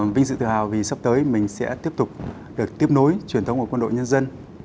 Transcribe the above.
vinh dự tự hào vì sắp tới mình sẽ tiếp tục được tiếp nối truyền thống của quân đội nhân dân